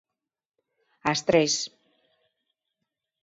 ¡As tres!